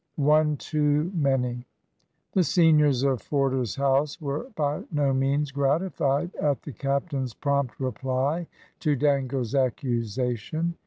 ONE TOO MANY. The seniors of Forder's house were by no means gratified at the captain's prompt reply to Dangle's accusation.